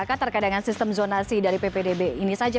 terkait dengan sistem zonasi dari ppdb ini saja